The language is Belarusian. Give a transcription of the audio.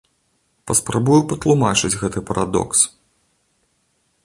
Паспрабую патлумачыць гэты парадокс.